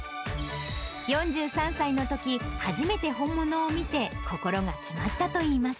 ４３歳のとき、初めて本物を見て、心が決まったといいます。